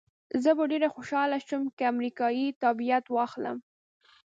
زه به ډېره خوشحاله شم که امریکایي تابعیت واخلم.